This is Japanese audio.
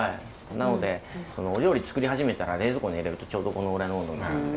なのでお料理作り始めたら冷蔵庫に入れるとちょうどこのぐらいの温度になるので。